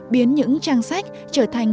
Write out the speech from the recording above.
biến những trang sách trở thành